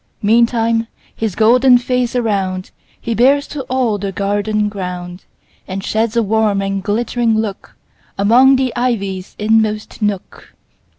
Meantime his golden face aroundHe bears to all the garden ground, And sheds a warm and glittering lookAmong the ivy's inmost nook.